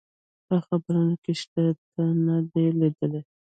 په خبرونو کي شته، تا نه دي لیدلي؟